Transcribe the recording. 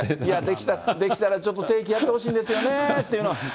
できたらちょっと定期やってほしいんですよねっていうのは。